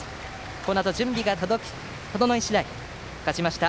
このあと、準備が整い次第勝ちました